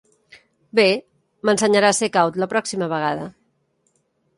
Bé, m'ensenyarà a ser caut la pròxima vegada.